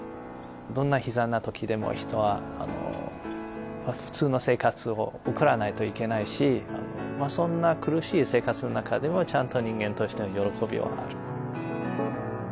どんな悲惨なときでも、人は普通の生活を送らないといけないし、そんな苦しい生活の中でも、ちゃんと人間としての喜びはある。